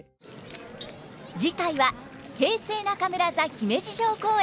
次回は平成中村座姫路城公演。